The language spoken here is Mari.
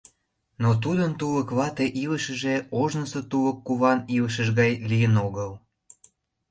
Но тудын тулык вате илышыже ожнысо тулык куван илышыж гай лийын огыл.